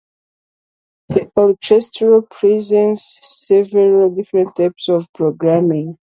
The orchestra presents several different types of programming.